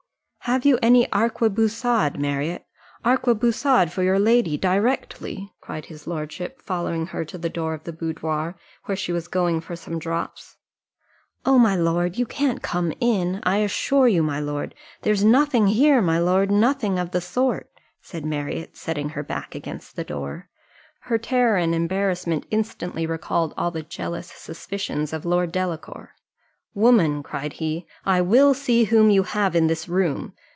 "Have you any arquebusade, Marriott? Arquebusade, for your lady, directly!" cried his lordship, following her to the door of the boudoir, where she was going for some drops. "Oh, my lord, you can't come in, I assure you, my lord, there's nothing here, my lord, nothing of the sort," said Marriott, setting her back against the door. Her terror and embarrassment instantly recalled all the jealous suspicions of Lord Delacour. "Woman!" cried he, "I will see whom you have in this room!